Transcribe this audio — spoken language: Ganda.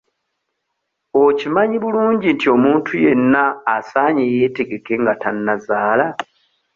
Okimanyi bulungi nti omuntu yenna asaanye yeetegeke nga tannazaala?